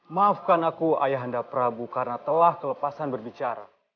maafkan aku ayah anda prabu karena telah kelepasan berbicara